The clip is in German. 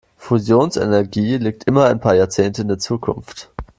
Fusionsenergie liegt immer ein paar Jahrzehnte in der Zukunft.